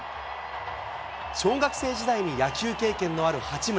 小学生時代に野球経験のある八村。